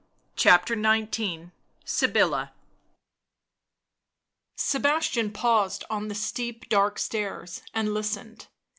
CHAPTER XIX SYBILLA Sebastian paused on the steep, dark stairs and listened.